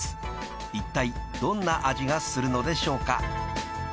［いったいどんな味がするのでしょうか？］